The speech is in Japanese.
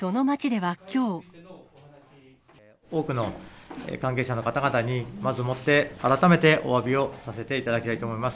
多くの関係者の方々に、まずもって改めておわびをさせていただきたいと思います。